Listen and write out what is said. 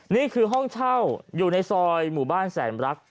นี่คือห้องเช่าอยู่ในซอยหมู่บ้านแสนรัก